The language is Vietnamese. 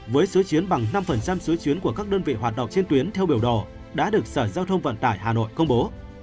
với số chuyến bằng năm số chuyến của các đơn vị hoạt động trên tuyến theo biểu đồ đã được sở giao thông vận tải hà nội công bố